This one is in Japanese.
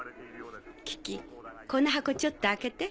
キキこの箱ちょっと開けて。